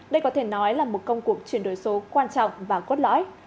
đây có thể nói là một công cuộc chuyển đổi số quan trọng và cốt lõi